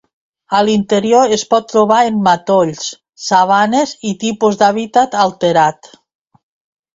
A l'interior es pot trobar en matolls, sabanes i tipus d'hàbitat alterat.